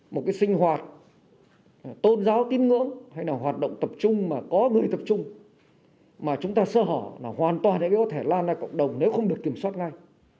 một cái sinh hoạt tôn giáo tín ngưỡng hay là hoạt động tập trung mà có người tập trung mà chúng ta sơ hở là hoàn toàn sẽ có thể lan ra cộng đồng nếu không được kiểm soát ngay